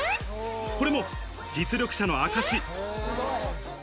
これも実力者の証し。